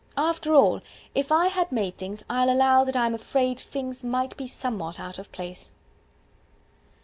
After all, if I had made things, I'll allow that I'm afraid things Might be some what out of place."